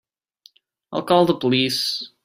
I'll call the police.